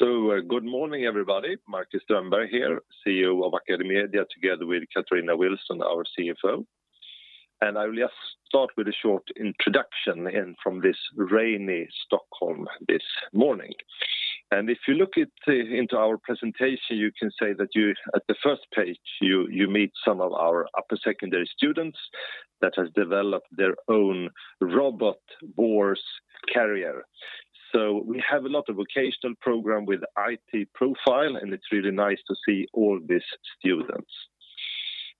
Good morning, everybody. Marcus Strömberg here, CEO of AcadeMedia, together with Katarina Wilson, our CFO. I will just start with a short introduction from this rainy Stockholm this morning. If you look into our presentation, you can see that at the first page, you meet some of our upper secondary students that have developed their own robot bores carrier. We have a lot of vocational program with IT profile, and it's really nice to see all these students.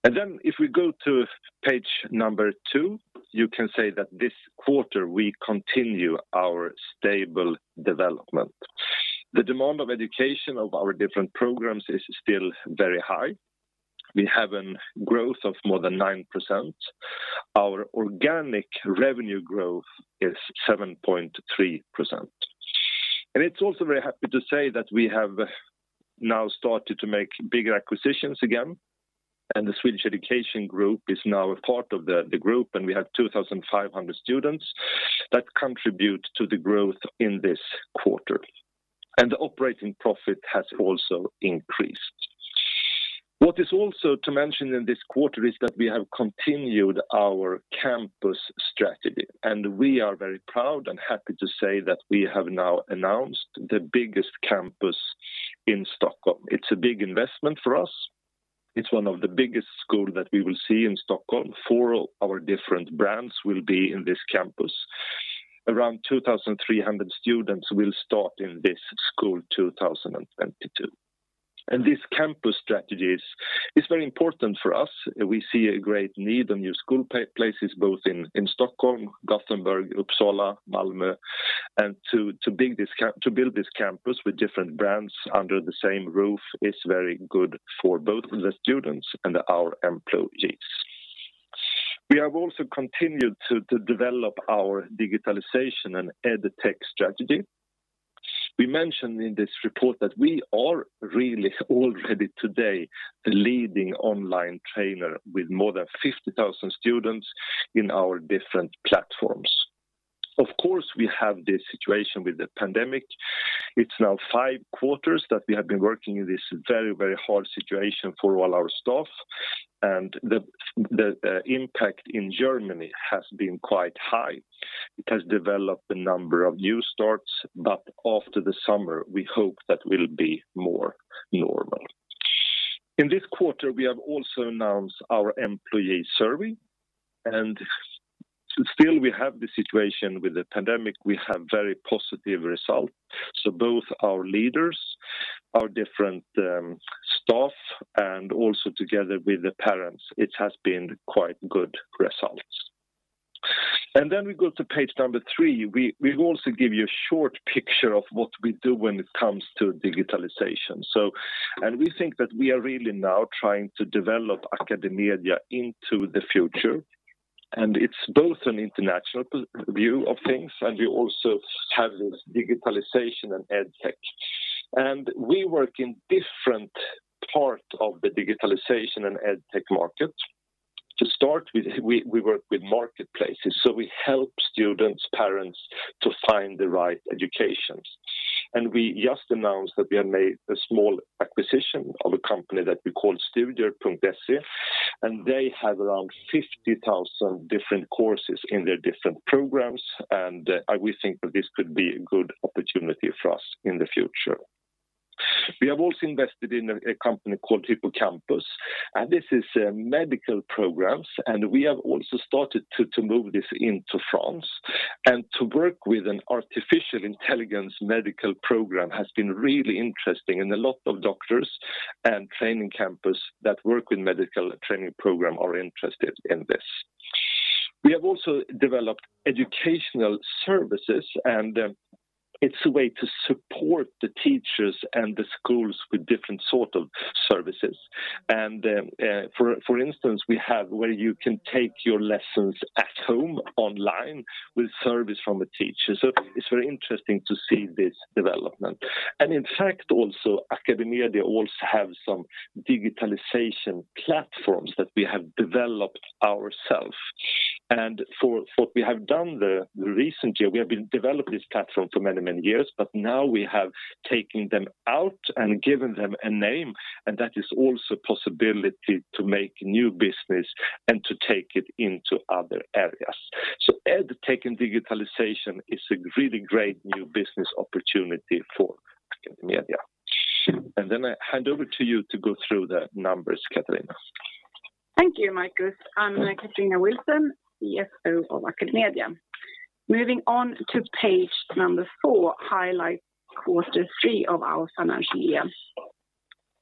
Then if we go to page number two, you can say that this quarter we continue our stable development. The demand of education of our different programs is still very high. We have a growth of more than 9%. Our organic revenue growth is 7.3%. It's also very happy to say that we have now started to make bigger acquisitions again, and the Swedish Education Group is now a part of the group, and we have 2,500 students that contribute to the growth in this quarter. Operating profit has also increased. What is also to mention in this quarter is that we have continued our campus strategy, and we are very proud and happy to say that we have now announced the biggest campus in Stockholm. It's a big investment for us. It's one of the biggest school that we will see in Stockholm. Four of our different brands will be in this campus. Around 2,300 students will start in this school 2022. This campus strategy is very important for us. We see a great need of new school places, both in Stockholm, Gothenburg, Uppsala, Malmö. To build this campus with different brands under the same roof is very good for both the students and our employees. We have also continued to develop our digitalization and EdTech strategy. We mentioned in this report that we are really already today the leading online trainer with more than 50,000 students in our different platforms. Of course, we have this situation with the pandemic. It's now five quarters that we have been working in this very hard situation for all our staff. The impact in Germany has been quite high. It has developed a number of new starts, but after the summer, we hope that will be more normal. In this quarter, we have also announced our employee survey, and still we have the situation with the pandemic. We have very positive results. Both our leaders, our different staff, and also together with the parents, it has been quite good results. Then we go to page number three. We also give you a short picture of what we do when it comes to digitalization. We think that we are really now trying to develop AcadeMedia into the future. It's both an international view of things, and we also have this digitalization and EdTech. We work in different part of the digitalization and EdTech market. To start with, we work with marketplaces, so we help students, parents, to find the right educations. We just announced that we have made a small acquisition of a company that we call Studier.se, and they have around 50,000 different courses in their different programs. We think that this could be a good opportunity for us in the future. We have also invested in a company called Hippocampus, and this is medical programs, and we have also started to move this into France. To work with an artificial intelligence medical program has been really interesting, and a lot of doctors and training campus that work in medical training program are interested in this. We have also developed educational services, and it's a way to support the teachers and the schools with different sort of services. For instance, we have where you can take your lessons at home online with service from a teacher. It's very interesting to see this development. In fact, also AcadeMedia also have some digitalization platforms that we have developed ourselves. For what we have done the recent year, we have been developing this platform for many years, but now we have taken them out and given them a name, and that is also possibility to make new business and to take it into other areas. EdTech and digitalization is a really great new business opportunity for AcadeMedia. I hand over to you to go through the numbers, Katarina. Thank you, Marcus. I'm Katarina Wilson, CFO of AcadeMedia. Moving on to page number four, highlights quarter three of our financial year.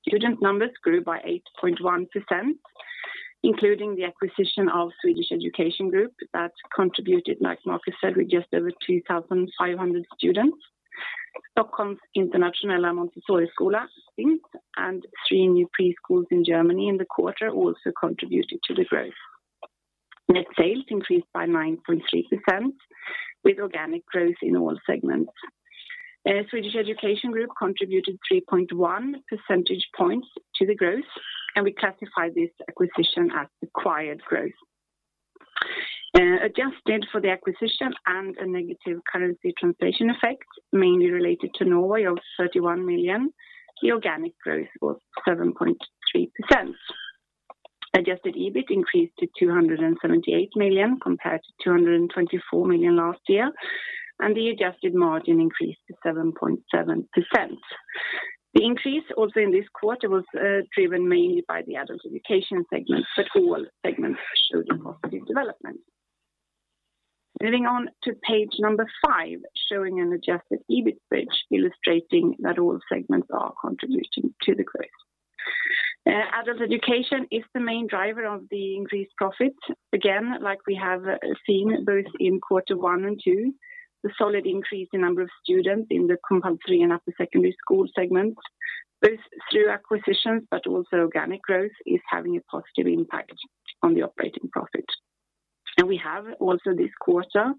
Student numbers grew by 8.1%, including the acquisition of Swedish Education Group that contributed, like Marcus said, with just over 2,500 students. Stockholms Internationella Montessoriskola, STIMS, and three new preschools in Germany in the quarter also contributed to the growth. Net sales increased by 9.3%, with organic growth in all segments. Swedish Education Group contributed 3.1 percentage points to the growth, and we classify this acquisition as acquired growth. Adjusted for the acquisition and a negative currency translation effect, mainly related to Norway of 31 million, the organic growth was 7.3%. Adjusted EBIT increased to 278 million compared to 224 million last year, and the adjusted margin increased to 7.7%. The increase also in this quarter was driven mainly by the adult education segment, but all segments showed a positive development. Moving on to page number five, showing an adjusted EBIT bridge illustrating that all segments are contributing to the growth. Adult education is the main driver of the increased profit. Again, like we have seen both in quarter one and two, the solid increase in number of students in the compulsory and upper secondary school segments, both through acquisitions, but also organic growth, is having a positive impact on the operating profit. We have also this quarter,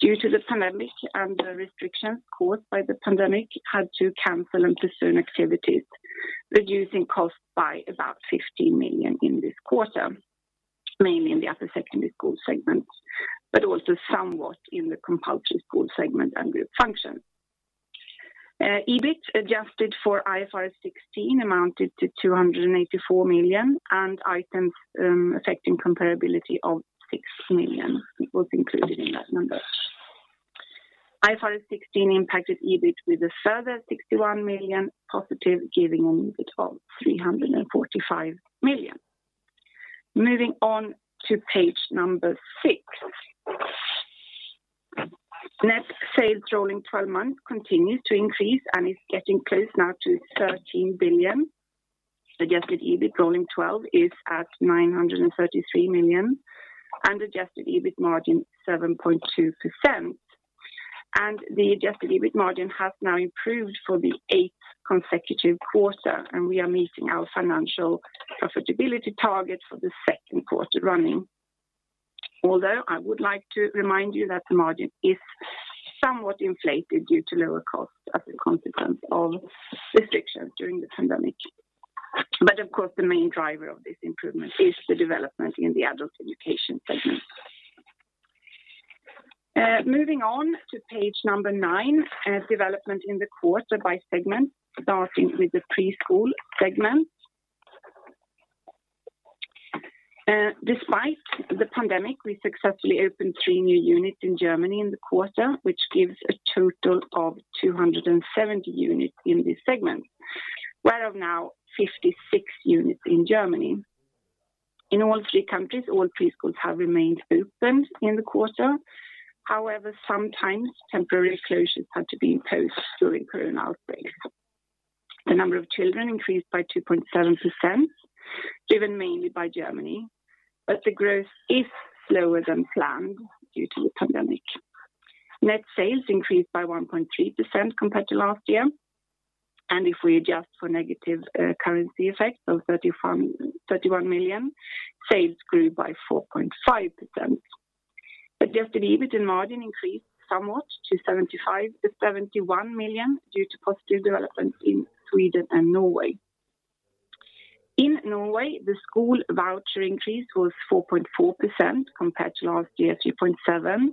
due to the pandemic and the restrictions caused by the pandemic, had to cancel and postpone activities, reducing costs by about 15 million in this quarter, mainly in the upper secondary school segment, but also somewhat in the compulsory school segment and group function. EBIT adjusted for IFRS 16 amounted to 284 million. Items affecting comparability of 6 million was included in that number. IFRS 16 impacted EBIT with a further 61 million positive, giving an EBIT of 345 million. Moving on to page number six. Net sales rolling 12 months continues to increase and is getting close now to 13 billion. Adjusted EBIT rolling 12 is at 933 million and adjusted EBIT margin 7.2%. The adjusted EBIT margin has now improved for the eighth consecutive quarter, and we are meeting our financial profitability target for the second quarter running. Although I would like to remind you that the margin is somewhat inflated due to lower costs as a consequence of restrictions during the pandemic. Of course, the main driver of this improvement is the development in the adult education segment. Moving on to page number nine, development in the quarter by segment, starting with the preschool segment. Despite the pandemic, we successfully opened three new units in Germany in the quarter, which gives a total of 270 units in this segment, whereof now 56 units in Germany. In all three countries, all preschools have remained open in the quarter. However, sometimes temporary closures had to be imposed during corona outbreaks. The number of children increased by 2.7%, driven mainly by Germany, but the growth is slower than planned due to the pandemic. Net sales increased by 1.3% compared to last year, and if we adjust for negative currency effects of 31 million, sales grew by 4.5%. Adjusted EBIT and margin increased somewhat to 75 million-71 million due to positive developments in Sweden and Norway. In Norway, the school voucher increase was 4.4% compared to last year 2.7%,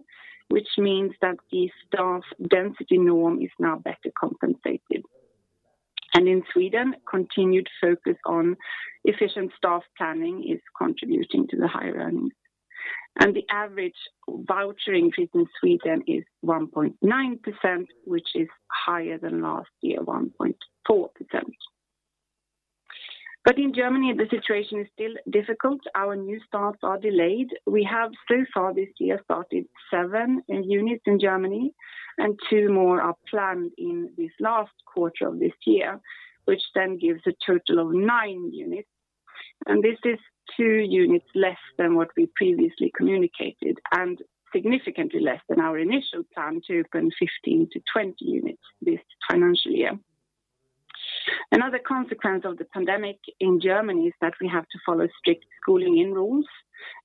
which means that the staff density norm is now better compensated. In Sweden, continued focus on efficient staff planning is contributing to the higher earnings. The average voucher increase in Sweden is 1.9%, which is higher than last year, 1.4%. In Germany, the situation is still difficult. Our new starts are delayed. We have so far this year started seven units in Germany, and two more are planned in this last quarter of this year, which gives a total of nine units. This is two units less than what we previously communicated and significantly less than our initial plan to open 15-20 units this financial year. Another consequence of the pandemic in Germany is that we have to follow strict schooling-in rules,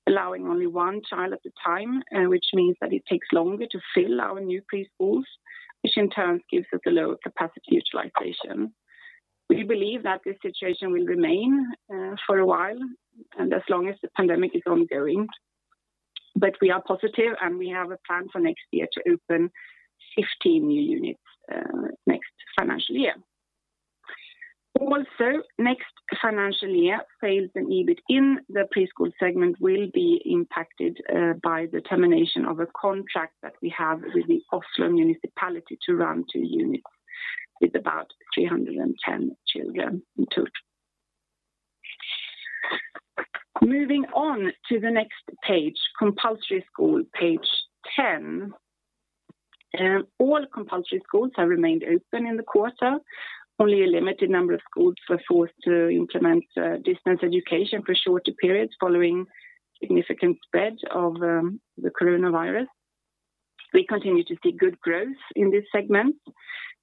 allowing only one child at a time, which means that it takes longer to fill our new preschools, which in turn gives us a lower capacity utilization. We believe that this situation will remain for a while and as long as the pandemic is ongoing. We are positive, and we have a plan for next year to open 15 new units next financial year. Also, next financial year, sales and EBIT in the preschool segment will be impacted by the termination of a contract that we have with the Oslo municipality to run two units with about 310 children in total. Moving on to the next page, compulsory school, page 10. All compulsory schools have remained open in the quarter. Only a limited number of schools were forced to implement distance education for shorter periods following significant spread of the coronavirus. We continue to see good growth in this segment.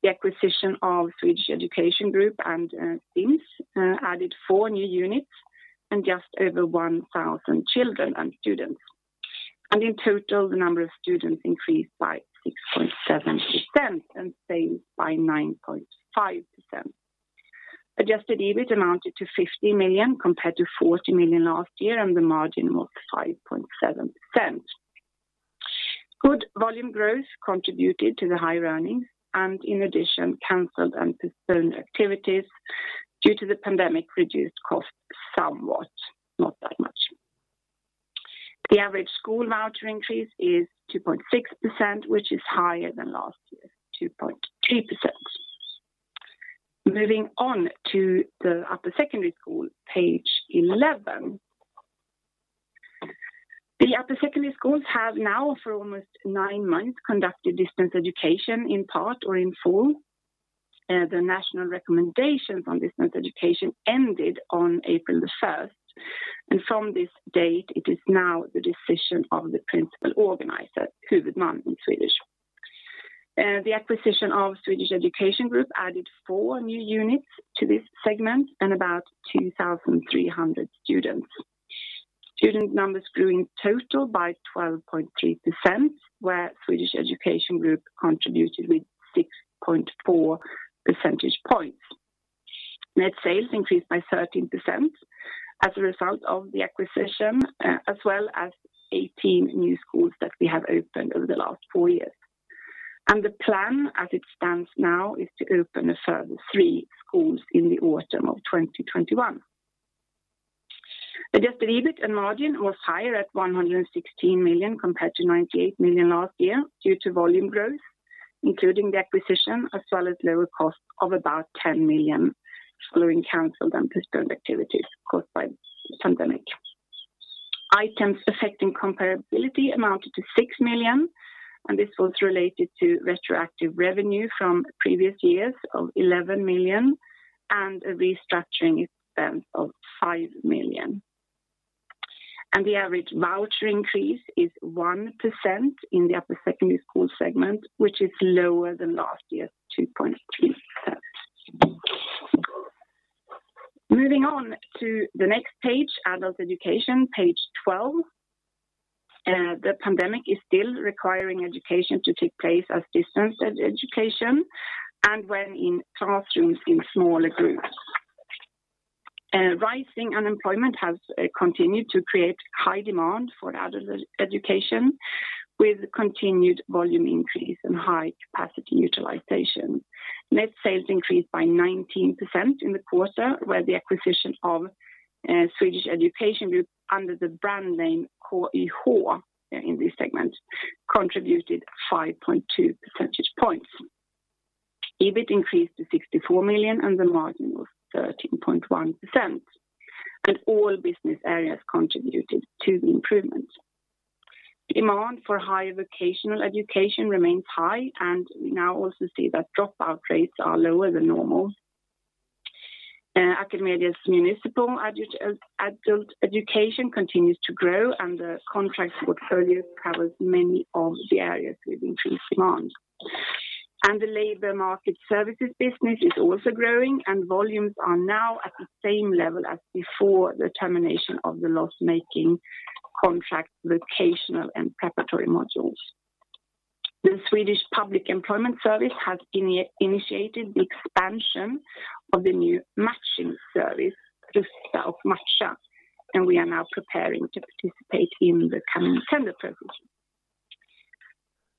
The acquisition of Swedish Education Group and STIMS added four new units and just over 1,000 children and students. In total, the number of students increased by 6.7% and sales by 9.5%. Adjusted EBIT amounted to 50 million compared to 40 million last year, and the margin was 5.7%. Good volume growth contributed to the high earnings, and in addition, canceled and postponed activities due to the pandemic reduced costs somewhat, not that much. The average school voucher increase is 2.6%, which is higher than last year's 2.3%. Moving on to the upper secondary school, page 11. The upper secondary schools have now, for almost nine months, conducted distance education in part or in full. The national recommendations on distance education ended on April the 1st. From this date it is now the decision of the principal organizer, huvudman in Swedish. The acquisition of Swedish Education Group added four new units to this segment and about 2,300 students. Student numbers grew in total by 12.3%, where Swedish Education Group contributed with 6.4 percentage points. Net sales increased by 13% as a result of the acquisition, as well as 18 new schools that we have opened over the last four years. The plan as it stands now is to open a further three schools in the autumn of 2021. Adjusted EBIT and margin was higher at 116 million compared to 98 million last year due to volume growth, including the acquisition, as well as lower costs of about 10 million following canceled and postponed activities caused by the pandemic. Items affecting comparability amounted to 6 million. This was related to retroactive revenue from previous years of 11 million and a restructuring expense of 5 million. The average voucher increase is 1% in the upper secondary school segment, which is lower than last year's 2.3%. Moving on to the next page, adult education, page 12. The pandemic is still requiring education to take place as distance education and when in classrooms in smaller groups. Rising unemployment has continued to create high demand for adult education, with continued volume increase and high capacity utilization. Net sales increased by 19% in the quarter where the acquisition of Swedish Education Group under the brand name KYH in this segment contributed 5.2 percentage points. EBIT increased to 64 million and the margin was 13.1%. All business areas contributed to the improvement. Demand for higher vocational education remains high. We now also see that dropout rates are lower than normal. AcadeMedia's municipal adult education continues to grow. The contract portfolio covers many of the areas with increased demand. The labor market services business is also growing, and volumes are now at the same level as before the termination of the loss-making contract vocational and preparatory modules. The Swedish Public Employment Service has initiated the expansion of the new matching service, Rusta och Matcha, and we are now preparing to participate in the coming tender procedure.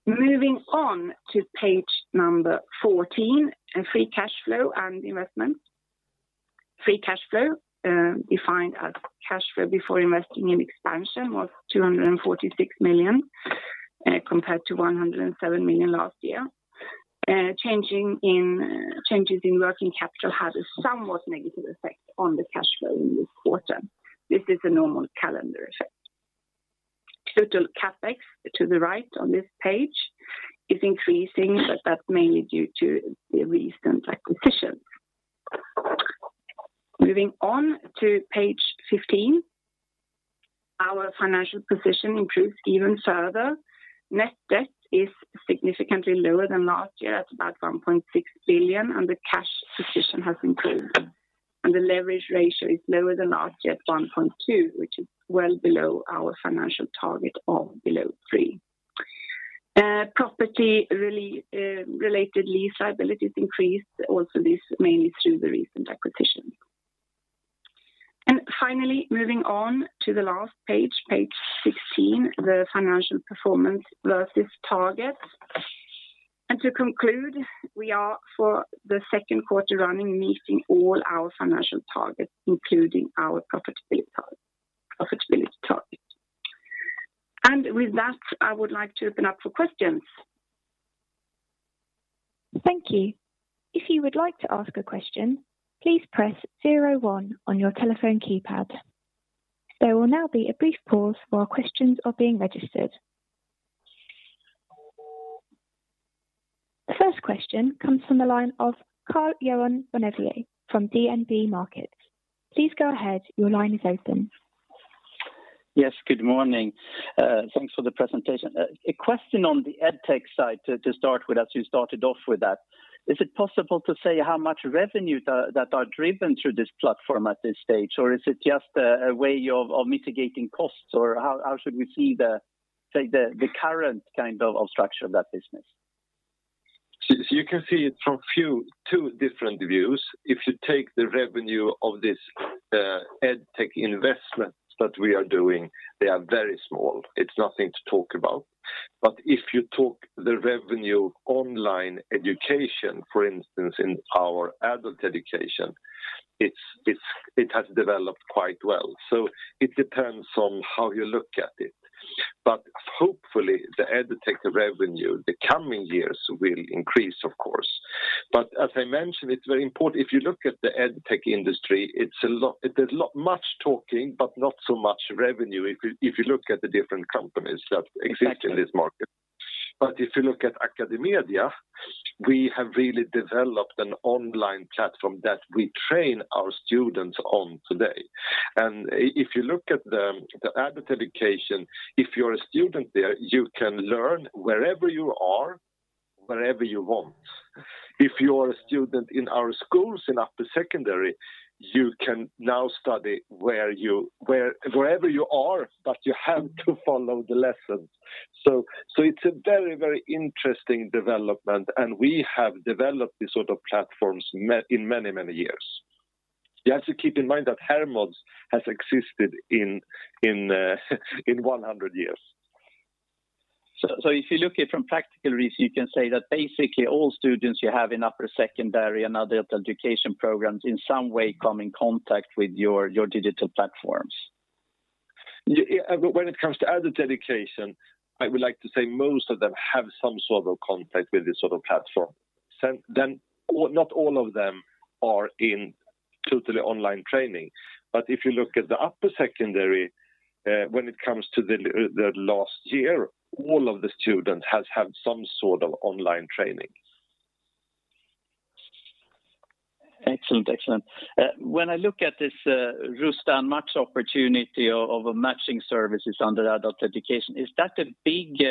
Moving on to page number 14, free cash flow and investment. Free cash flow, defined as cash flow before investing in expansion, was 246 million compared to 107 million last year. Changes in working capital had a somewhat negative effect on the cash flow in this quarter. This is a normal calendar effect. Total CapEx to the right on this page is increasing, that's mainly due to the recent acquisition. Moving on to page 15. Our financial position improved even further. Net debt is significantly lower than last year at about 1.6 billion, the cash position has improved, the leverage ratio is lower than last year at 1.2, which is well below our financial target of below three. Property-related lease liabilities increased also this mainly through the recent acquisition. Finally, moving on to the last page 16, the financial performance versus targets. To conclude, we are for the second quarter running, meeting all our financial targets, including our profitability target. With that, I would like to open up for questions. Thank you. The first question comes from the line of Karl-Johan Bonnevier from DNB Markets. Please go ahead. Your line is open. Yes, good morning. Thanks for the presentation. A question on the EdTech side to start with, as you started off with that. Is it possible to say how much revenue that are driven through this platform at this stage, or is it just a way of mitigating costs? How should we see the current structure of that business? You can see it from two different views. If you take the revenue of this EdTech investment that we are doing, they are very small. It's nothing to talk about. If you talk the revenue online education, for instance, in our adult education, it has developed quite well. It depends on how you look at it. Hopefully the EdTech revenue the coming years will increase, of course. As I mentioned, it's very important if you look at the EdTech industry, there's much talking, but not so much revenue if you look at the different companies that exist in this market. If you look at AcadeMedia, we have really developed an online platform that we train our students on today. If you look at the adult education, if you're a student there, you can learn wherever you are, wherever you want. If you are a student in our schools in upper secondary, you can now study wherever you are, but you have to follow the lessons. It's a very interesting development, and we have developed these sort of platforms in many years. You have to keep in mind that Hermods has existed 100 years. If you look it from practical reach, you can say that basically all students you have in upper secondary and adult education programs in some way come in contact with your digital platforms. When it comes to adult education, I would like to say most of them have some sort of contact with this sort of platform. Not all of them are in totally online training. If you look at the upper secondary, when it comes to the last year, all of the students have had some sort of online training. Excellent. When I look at this Rusta och Matcha opportunity of a matching services under adult education, is that a big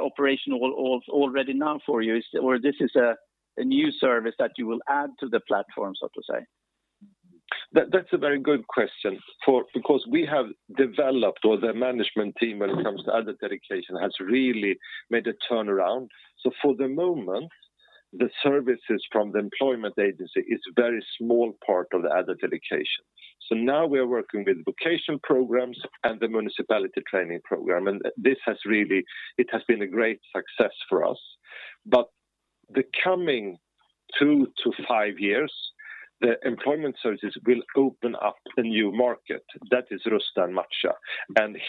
operational already now for you? This is a new service that you will add to the platform, so to say? That's a very good question. We have developed, or the management team when it comes to adult education, has really made a turnaround. For the moment, the services from the employment agency is very small part of the adult education. Now we are working with vocation programs and the municipality training program, and it has been a great success for us. The coming two to five years, the employment services will open up a new market that is Rusta och Matcha.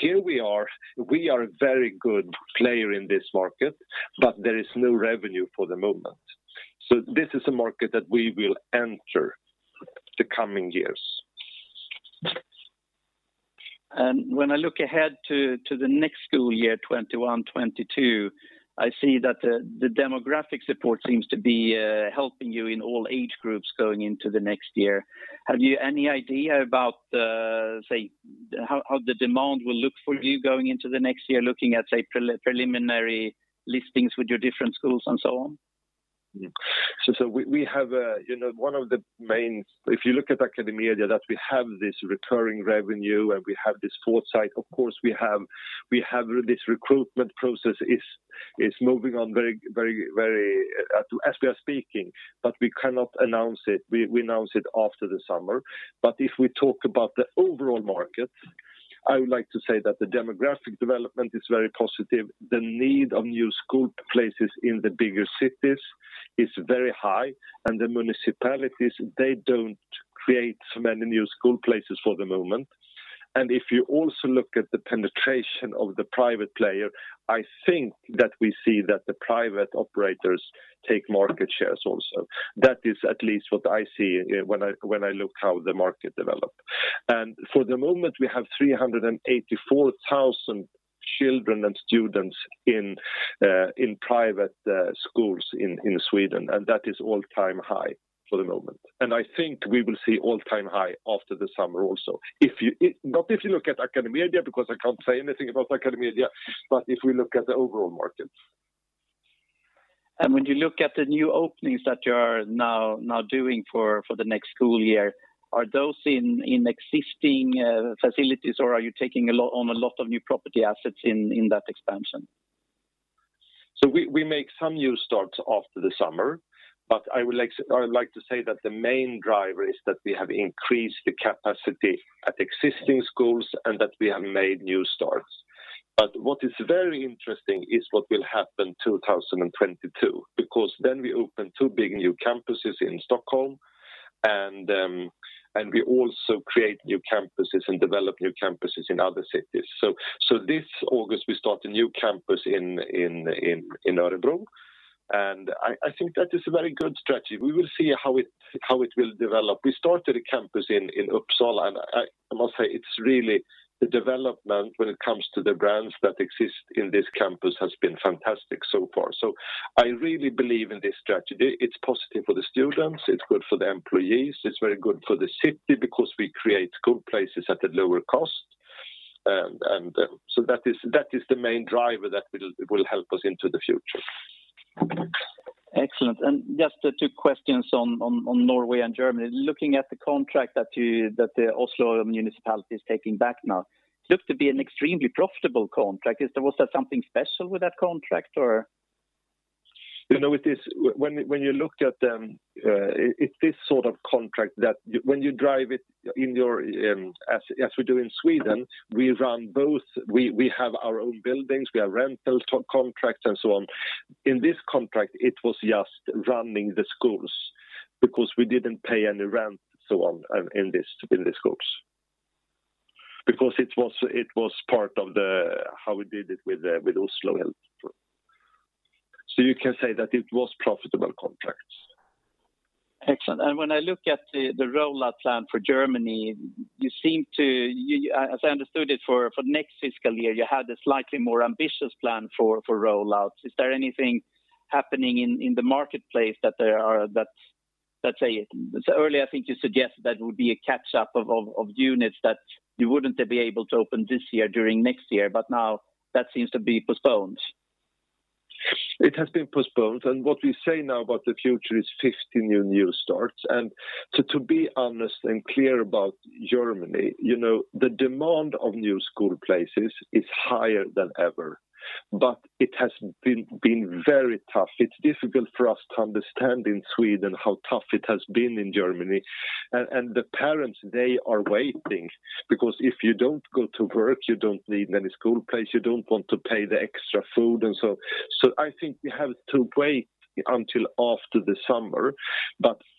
Here we are a very good player in this market, but there is no revenue for the moment. This is a market that we will enter the coming years. When I look ahead to the next school year 2021/2022, I see that the demographic support seems to be helping you in all age groups going into the next year. Have you any idea about, say, how the demand will look for you going into the next year, looking at, say, preliminary listings with your different schools and so on? If you look at AcadeMedia, that we have this recurring revenue and we have this foresight, of course we have this recruitment process is moving on as we are speaking, but we cannot announce it. We announce it after the summer. If we talk about the overall market, I would like to say that the demographic development is very positive. The need of new school places in the bigger cities is very high, and the municipalities, they don't create many new school places for the moment. If you also look at the penetration of the private player, I think that we see that the private operators take market shares also. That is at least what I see when I look how the market develop. For the moment, we have 384,000 children and students in private schools in Sweden, and that is all-time high for the moment. I think we will see all-time high after the summer also. Not if you look at AcadeMedia, because I can't say anything about AcadeMedia, but if we look at the overall market. When you look at the new openings that you are now doing for the next school year, are those in existing facilities, or are you taking on a lot of new property assets in that expansion? We make some new starts after the summer, but I would like to say that the main driver is that we have increased the capacity at existing schools and that we have made new starts. What is very interesting is what will happen 2022, because then we open two big new campuses in Stockholm and we also create new campuses and develop new campuses in other cities. This August, we start a new campus in Örebro, and I think that is a very good strategy. We will see how it will develop. We started a campus in Uppsala, and I must say it's really the development when it comes to the brands that exist in this campus has been fantastic so far. I really believe in this strategy. It's positive for the students, it's good for the employees, it's very good for the city because we create school places at a lower cost. That is the main driver that will help us into the future. Excellent. Just two questions on Norway and Germany. Looking at the contract that the Oslo municipality is taking back now, it looks to be an extremely profitable contract. Was there something special with that contract? When you look at it's this sort of contract that when you drive it as we do in Sweden, we have our own buildings, we have rental contracts and so on. In this contract, it was just running the schools because we didn't pay any rent in these schools, because it was part of how we did it with Oslo. You can say that it was profitable contracts. Excellent. When I look at the rollout plan for Germany, as I understood it, for next fiscal year, you had a slightly more ambitious plan for rollouts. Is there anything happening in the marketplace? Earlier, I think you suggested that it would be a catch-up of units that you wouldn't be able to open this year during next year, but now that seems to be postponed. It has been postponed. What we say now about the future is 15 new starts. To be honest and clear about Germany, the demand of new school places is higher than ever, but it has been very tough. It's difficult for us to understand in Sweden how tough it has been in Germany. The parents, they are waiting, because if you don't go to work, you don't need any school place, you don't want to pay the extra food and so on. I think we have to wait until after the summer.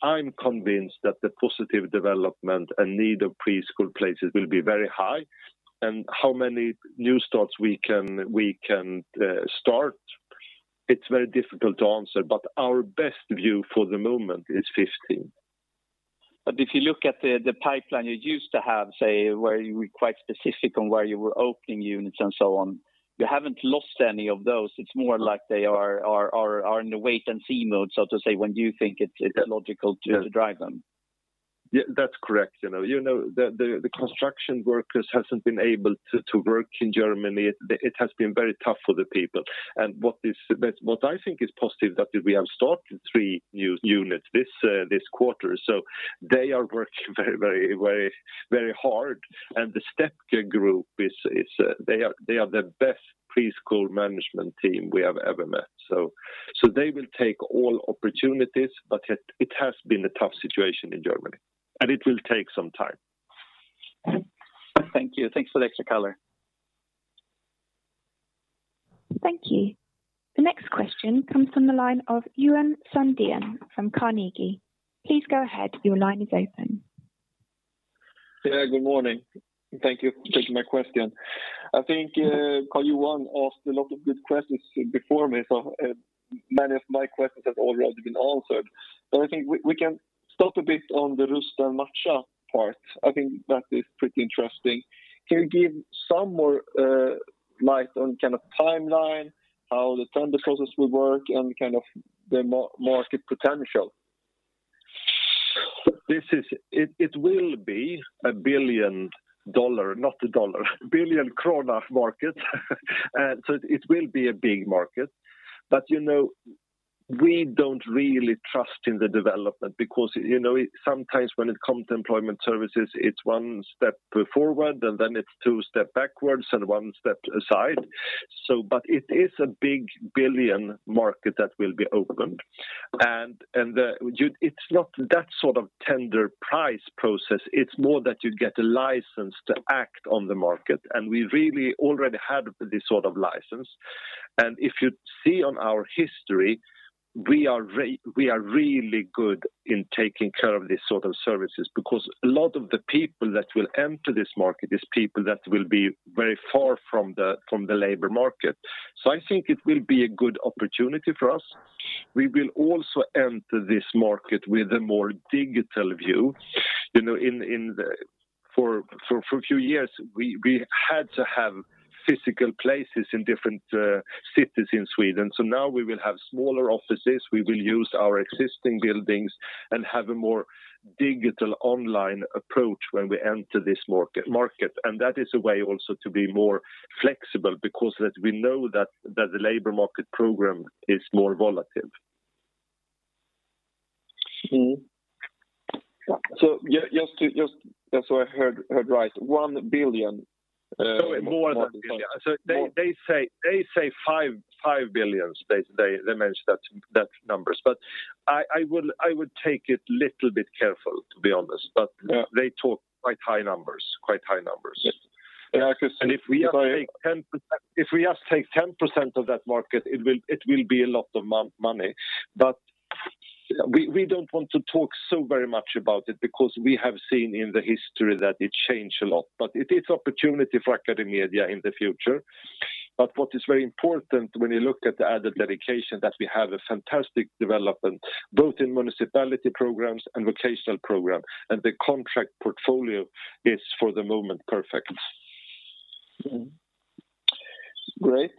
I'm convinced that the positive development and need of preschool places will be very high. How many new starts we can start, it's very difficult to answer, but our best view for the moment is 15. If you look at the pipeline you used to have, say, where you were quite specific on where you were opening units and so on, you haven't lost any of those. It's more like they are in a wait-and-see mode, so to say, when you think it's logical to drive them. Yes, that's correct. The construction workers haven't been able to work in Germany. It has been very tough for the people. What I think is positive is that we have started three new units this quarter. They are working very hard. The Stepke Group, they are the best preschool management team we have ever met. They will take all opportunities, but it has been a tough situation in Germany, and it will take some time. Thank you. Thanks for the extra color. Thank you. The next question comes from the line of Johan Sundén from Carnegie. Please go ahead. Your line is open. Yeah, good morning. Thank you for taking my question. I think Karl-Johan once asked a lot of good questions before me, so many of my questions have already been answered. I think we can talk a bit on the Rusta och Matcha part. I think that is pretty interesting. Can you give some more light on the timeline, how the tender process will work, and the market potential? It will be a SEK 1 billion market. It will be a big market. We don't really trust in the development because sometimes when it comes to employment services, it's one step forward, and then it's two steps backwards and one step aside. It is a big 1 billion market that will be opened. It's not that sort of tender price process, it's more that you get a license to act on the market, and we really already had this sort of license. If you see on our history, we are really good in taking care of these sort of services because a lot of the people that will enter this market is people that will be very far from the labor market. I think it will be a good opportunity for us. We will also enter this market with a more digital view. For a few years, we had to have physical places in different cities in Sweden. Now we will have smaller offices, we will use our existing buildings and have a more digital online approach when we enter this market. That is a way also to be more flexible because we know that the labor market program is more relative. Just so I heard right, 1 billion. More than billion. They say 5 billion. They mention that numbers. I would take it little bit careful, to be honest. They talk quite high numbers. If we just take 10% of that market, it will be a lot of money. We don't want to talk so very much about it because we have seen in the history that it change a lot. It is opportunity for AcadeMedia in the future. What is very important when you look at the adult education, that we have a fantastic development, both in municipality programs and vocational program, and the contract portfolio is, for the moment, perfect. Great.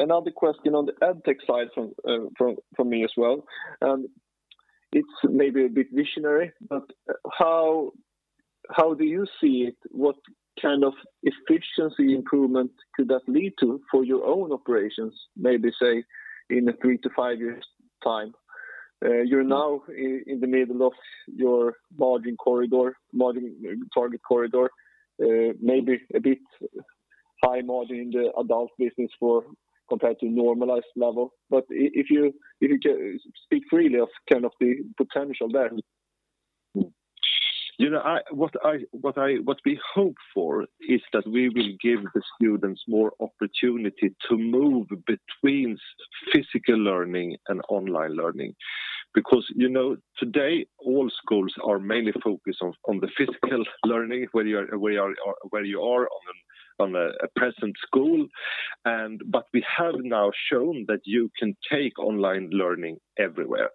Another question on the EdTech side from me as well. It's maybe a bit visionary, but how do you see it? What kind of efficiency improvement could that lead to for your own operations, maybe say in a three to five years' time? You're now in the middle of your margin target corridor, maybe a bit high margin in the adult business compared to normalized level. If you can speak freely of the potential there. What we hope for is that we will give the students more opportunity to move between physical learning and online learning. Today all schools are mainly focused on the physical learning, where you are on a present school. We have now shown that you can take online learning everywhere.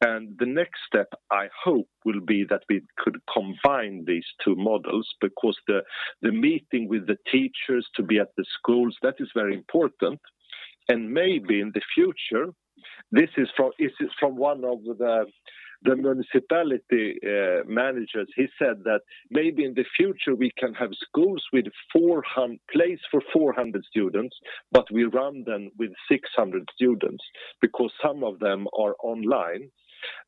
The next step, I hope, will be that we could combine these two models because the meeting with the teachers to be at the schools, that is very important. Maybe in the future, this is from one of the municipality managers. He said that maybe in the future we can have schools with place for 400 students, but we run them with 600 students because some of them are online.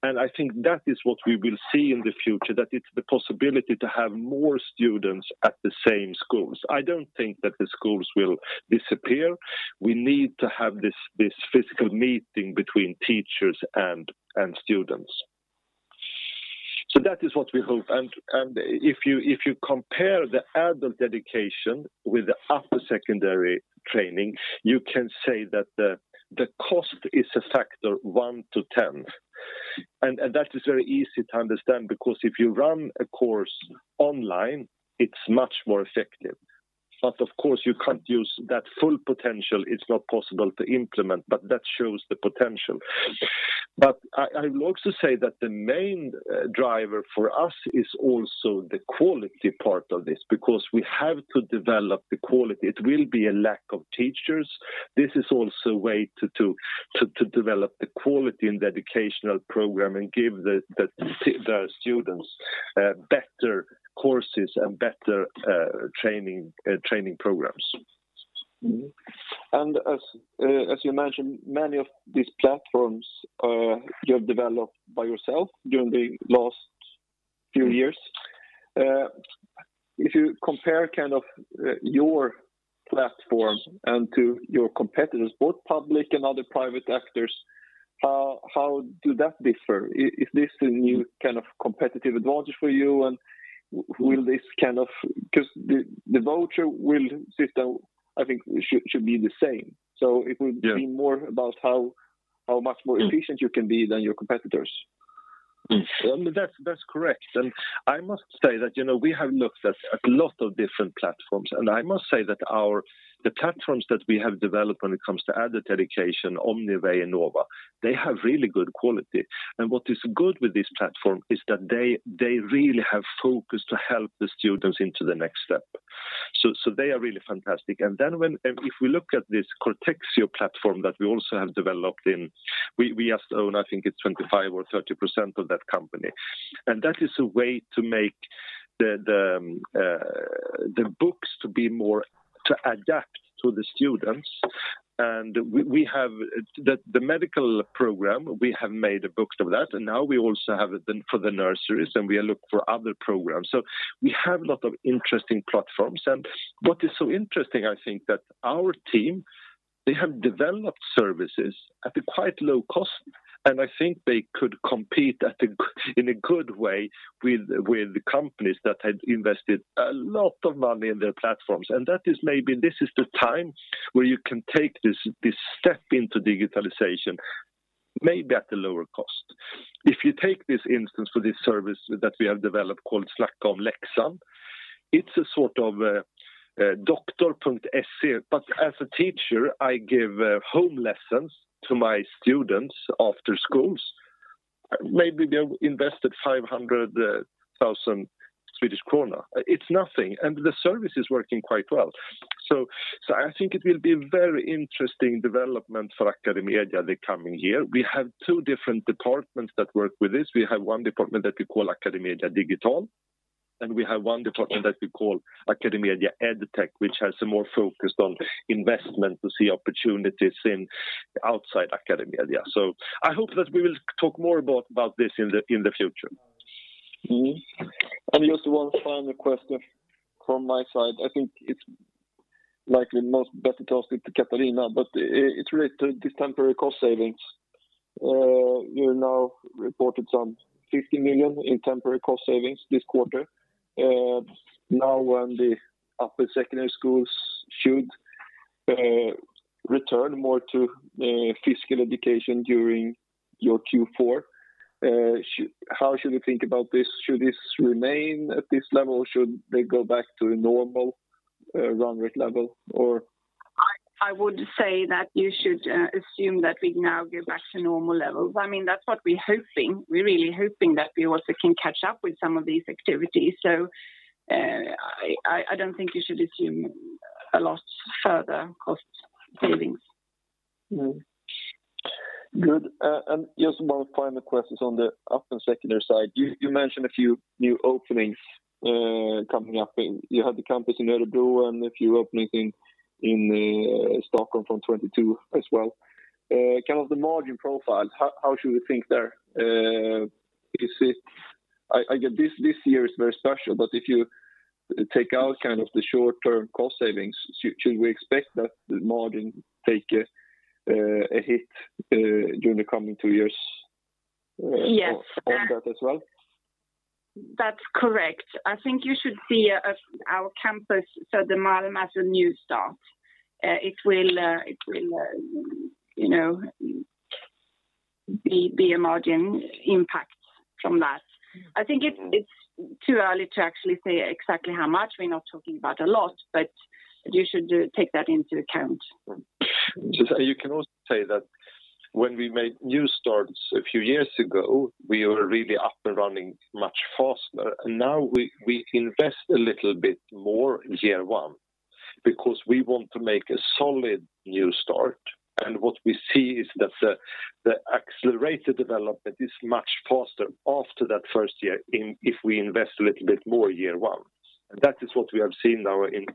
I think that is what we will see in the future, that it's the possibility to have more students at the same schools. I don't think that the schools will disappear. We need to have this physical meeting between teachers and students. That is what we hope. If you compare the adult education with the upper secondary training, you can say that the cost is a factor 1-10. That is very easy to understand because if you run a course online, it's much more effective. Of course, you can't use that full potential. It's not possible to implement. That shows the potential. I will also say that the main driver for us is also the quality part of this, because we have to develop the quality. It will be a lack of teachers. This is also a way to develop the quality in the educational program and give the students better courses and better training programs. As you mentioned, many of these platforms you have developed by yourself during the last few years. If you compare your platforms and to your competitors, both public and other private actors, how do that differ? Is this a new kind of competitive advantage for you? Because the voucher system, I think should be the same. It will be more about how much more efficient you can be than your competitors. That's correct. I must say that we have looked at a lot of different platforms, and I must say that the platforms that we have developed when it comes to adult education, Omniway and Novo, they have really good quality. What is good with this platform is that they really have focused to help the students into the next step. They are really fantastic. If we look at this Cortexio platform that we also have developed in, we own, I think it's 25% or 30% of that company. That is a way to make the books to adapt to the students. The medical program, we have made books of that, and now we also have it for the nurseries, and we look for other programs. We have a lot of interesting platforms. What is so interesting, I think that our team, they have developed services at a quite low cost, and I think they could compete in a good way with companies that had invested a lot of money in their platforms. Maybe this is the time where you can take this step into digitalization, maybe at a lower cost. If you take this instance for this service that we have developed called Släck om läxan, it's a sort of doktor.se, but as a teacher, I give home lessons to my students after schools. Maybe they've invested 500,000 Swedish krona. It's nothing. The service is working quite well. I think it will be a very interesting development for AcadeMedia the coming year. We have two different departments that work with this. We have one department that we call AcadeMedia Digital, and we have one department that we call AcadeMedia Edtech, which has a more focus on investment to see opportunities in outside AcadeMedia. I hope that we will talk more about this in the future. Just one final question from my side. I think it's likely most better to ask it to Katarina. It's related to this temporary cost savings. You now reported some 50 million in temporary cost savings this quarter. When the upper secondary schools should return more to physical education during your Q4, how should we think about this? Should this remain at this level? Should they go back to a normal run rate level? I would say that you should assume that we now go back to normal levels. That's what we're hoping. We're really hoping that we also can catch up with some of these activities. I don't think you should assume a lot further cost savings. Good. Just one final question on the upper secondary side. You mentioned a few new openings coming up. You have the campus in Örebro and a few openings in Stockholm from 2022 as well. The margin profile, how should we think there? I get this year is very special, but if you take out the short-term cost savings, should we expect that the margin take a hit during the coming two years? Yes on that as well? That's correct. I think you should see our campus, Södermalm, as a new start. It will be a margin impact from that. I think it's too early to actually say exactly how much. We're not talking about a lot, but you should take that into account. You can also say that when we made new starts a few years ago, we were really up and running much faster. Now we invest a little bit more in year one because we want to make a solid new start. What we see is that the accelerated development is much faster after that first year if we invest a little bit more year one. That is what we have seen now in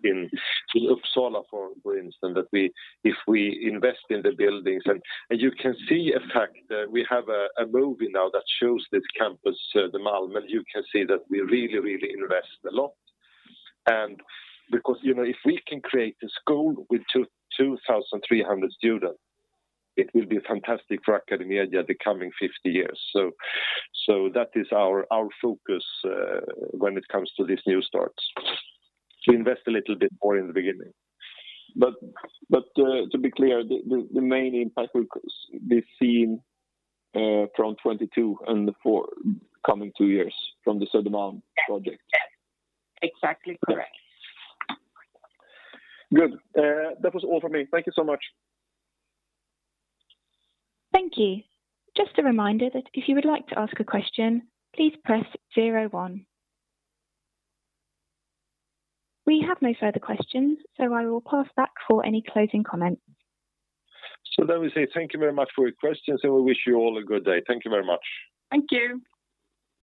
Uppsala, for instance, that if we invest in the buildings. You can see, in fact, we have a movie now that shows the campus Södermalm, and you can see that we really invest a lot. Because if we can create a school with 2,300 students, it will be fantastic for AcadeMedia the coming 50 years. That is our focus when it comes to these new starts, to invest a little bit more in the beginning. To be clear, the main impact will be seen from 2022 and the coming two years from the Södermalm project. Yes. Exactly correct. Good. That was all from me. Thank you so much. Thank you. Just a reminder that if you would like to ask a question, please press zero one. We have no further questions, so I will pass back for any closing comments. We say thank you very much for your questions, and we wish you all a good day. Thank you very much. Thank you.